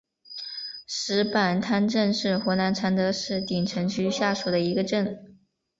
石板滩镇是湖南常德市鼎城区下属的一个镇。